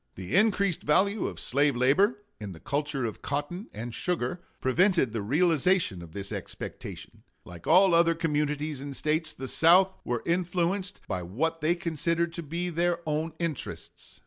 The increased value of slave labor, in the culture of cotton and sugar, prevented the realization of this expectation. Like all other communities and States, the South were influenced by what they considered to be their own interests.